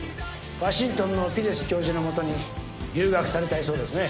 ・ワシントンのピレス教授のもとに留学されたいそうですね。